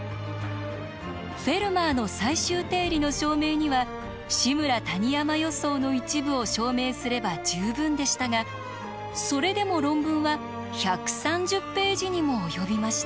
「フェルマーの最終定理」の証明には「志村−谷山予想」の一部を証明すれば十分でしたがそれでも論文は１３０ページにも及びました。